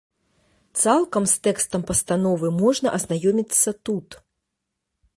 Цалкам з тэкстам пастановы можна азнаёміцца тут.